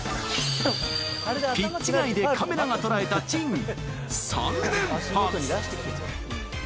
ピッチ外でカメラが捉えた珍３連発。